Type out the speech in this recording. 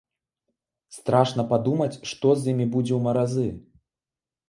Страшна падумаць, што з імі будзе ў маразы.